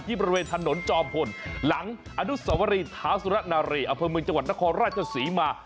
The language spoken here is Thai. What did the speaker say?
ที่บริเวณถนนจอมพลหลังอดุษวรีท้าวสุรณาเรย์อเผื้อเมืองจังหวัดนครราชสีมา